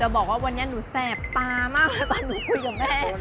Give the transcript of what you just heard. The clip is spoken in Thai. จะบอกว่าวันนี้หนูแทบตามากเลยการคุยกับแม่